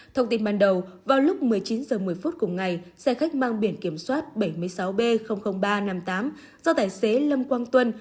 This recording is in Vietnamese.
thông tin ban đầu vào lúc một mươi chín h một mươi phút cùng ngày xe khách mang biển kiểm soát bảy mươi sáu b ba trăm năm mươi tám do tài xế lâm quang tuân